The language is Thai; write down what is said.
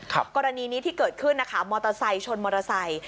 กรณีนี้ที่เกิดขึ้นนะคะมอเตอร์ไซค์ชนมอเตอร์ไซค์